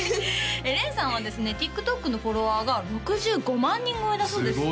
れんさんはですねＴｉｋＴｏｋのフォロワーが６５万人超えだそうです